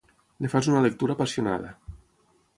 En fas una lectura apassionada.